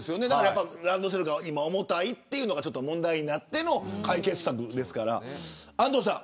ランドセルが重たいのが問題になっての解決策ですから。